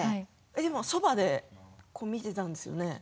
そばで見ていたんですよね？